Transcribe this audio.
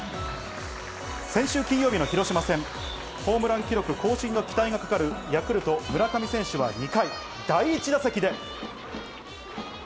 先週金曜日の広島戦、ホームラン記録更新の期待がかかるヤクルト・村上選手は２回、第１打席で。